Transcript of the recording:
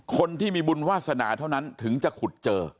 คนที่มีบุญวาสนาเท่านั้นถึงจะขุดเจอ